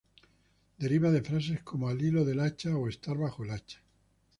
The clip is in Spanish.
Deriva de frases como "al filo del hacha" o "estar bajo el hacha".